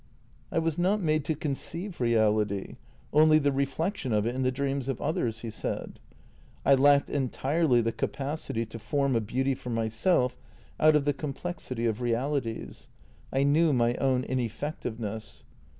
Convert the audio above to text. "" I was not made to conceive reality, only the reflection of it in the dreams of others. I lacked entirely the capacity to form a beauty for myself out of the complexity of realities; I knew my own ineffectiveness.